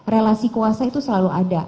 relasi kuasa itu selalu ada